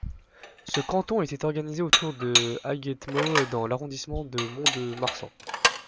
Ce canton était organisé autour de Hagetmau dans l'arrondissement de Mont-de-Marsan.